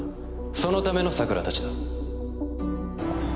そのための桜たちだ